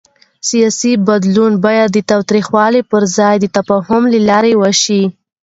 سیاسي بدلون باید د تاوتریخوالي پر ځای د تفاهم له لارې وشي